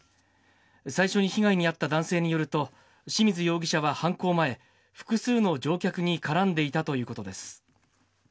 最初に被害に遭った男性によると、清水容疑者は犯行前、複数の乗客に絡んでいたということです。